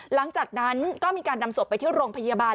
หลังจากนั้นก็มีการนำศพไปที่โรงพยาบาล